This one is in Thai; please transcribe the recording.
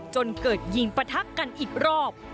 จนเกิดยิงปะทะกันอีกรอบ